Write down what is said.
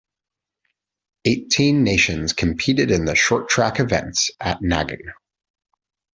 Eighteen nations competed in the short track events at Nagano.